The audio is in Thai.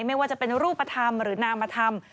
ไม่ว่าจะเป็นรูปธรรมหรือนามธรรม